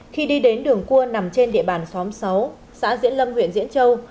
khi đi đến đường cua nằm trên địa bàn xóm sáu xã diễn lâm huyện diễn châu